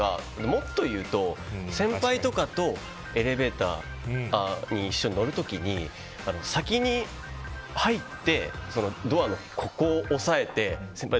もっと言うと先輩とかとエレベーターに一緒に乗る時に先に入ってドアを押さえて先輩